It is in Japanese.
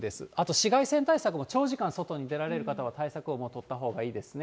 紫外線対策、長時間外に出られる方は対策を持っといたほうがいいですね。